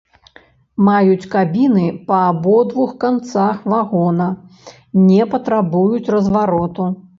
Маюць кабіны па абодвух канцах вагона, не патрабуюць развароту.